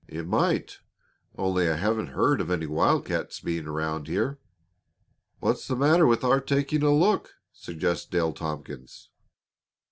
"It might only I haven't heard of any wild cats being around here." "What's the matter with our taking a look?" suggested Dale Tompkins.